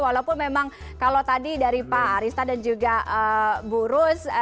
walaupun memang kalau tadi dari pak arista dan juga bu rus